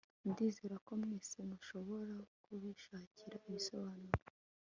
Ndizera ko mwese mushobora kubishakira ibisobanuro